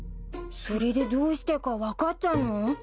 それでどうしてか分かったの？